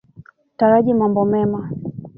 Tarajia mambo mema.